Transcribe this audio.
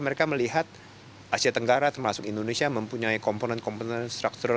mereka melihat asia tenggara termasuk indonesia mempunyai komponen komponen struktural